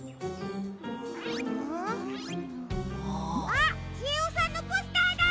あっちえおさんのポスターだ！